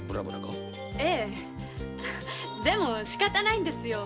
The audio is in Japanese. でもしかたないんですよ